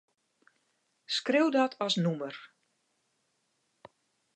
Skriuw dat as nûmer.